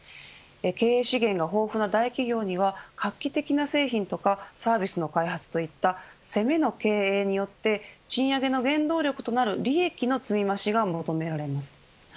経営資源が豊富な大企業には画期的な製品やサービスの開発といった攻めの経営によって賃上げの原動力となる利益の積み増しが求められます。